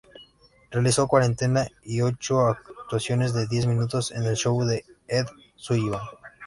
Realizó cuarenta y ocho actuaciones de diez minutos en el show de Ed Sullivan.